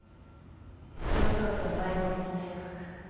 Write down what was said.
幼少期は内向的な性格。